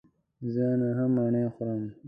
زه نهه مڼې خورم.